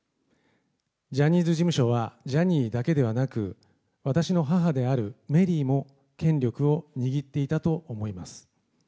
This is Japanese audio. ジャニーズ事務所は、ジャニーだけではなく、私の母であるメリーも権力を握っていたと思います。